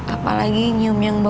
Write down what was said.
apalagi nyium yang dihias